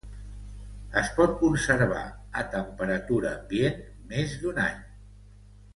Es pot conservar a temperatura ambient més d'un any.